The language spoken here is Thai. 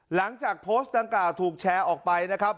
หลังจากโพสต์ดังกล่าวถูกแชร์ออกไปนะครับ